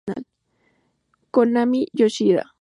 Konami Yoshida